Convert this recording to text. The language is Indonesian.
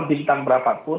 bintang berapa pun